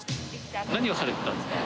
何をされてたんですか？